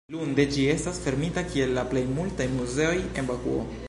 Lunde ĝi estas fermita kiel la plej multaj muzeoj en Bakuo.